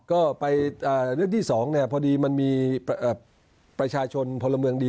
ก็ไปเรื่องที่๒พอดีมันมีประชาชนพลเมืองดี